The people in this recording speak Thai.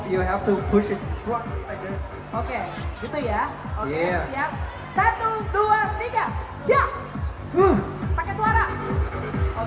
พวกเราต้องกำลังไปให้มีเราถึง